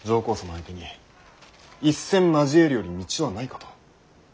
相手に一戦交えるより道はないかと。